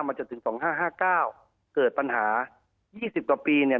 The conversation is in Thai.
มาจนถึงสองห้าห้าเก้าเกิดปัญหายี่สิบกว่าปีเนี่ย